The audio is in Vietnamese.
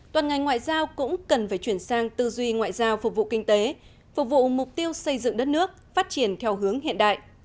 toàn ngành ngoại giao cũng cần phải chuyển sang tư duy ngoại giao phục vụ kinh tế phục vụ mục tiêu xây dựng đất nước phát triển theo hướng hiện đại